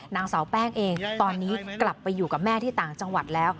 นางสาวแป้งเองตอนนี้กลับไปอยู่กับแม่ที่ต่างจังหวัดแล้ว